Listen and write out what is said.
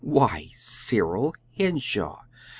"Why, Cyril Henshaw!